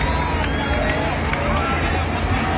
มาแล้วครับพี่น้อง